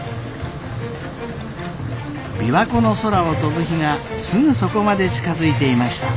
琵琶湖の空を飛ぶ日がすぐそこまで近づいていました。